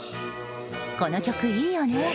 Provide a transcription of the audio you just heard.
この曲いいよね